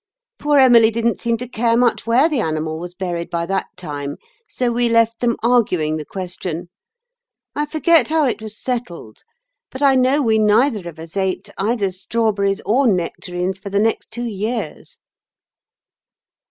Poor Emily didn't seem to care much where the animal was buried by that time, so we left them arguing the question. I forget how it was settled; but I know we neither of us ate either strawberries or nectarines for the next two years."